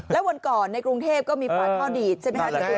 แล้ววันก่อนในกรุงเทพก็มีฝาท่อดีดใช่ไหมคะ